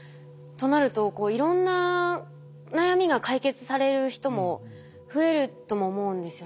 となるといろんな悩みが解決される人も増えるとも思うんですよね。